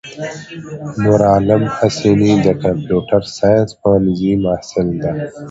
نورعالم حسیني دکمپیوټر ساینس پوهنځی محصل ده.